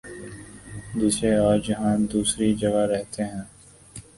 دوسرے آج یہاں دوسری جگہ رہتے ہیں